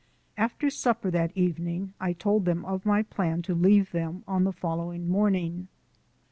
After supper that evening I told them of my plan to leave them on the following morning.